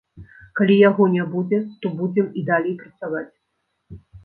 Калі яго не будзе, то будзем і далей працаваць.